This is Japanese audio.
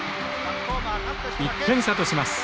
１点差とします。